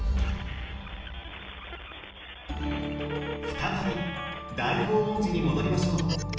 再び大報恩寺に戻りましょう。